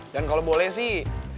dan kalau boleh sih